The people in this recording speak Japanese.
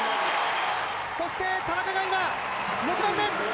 そして田中が今、６番目。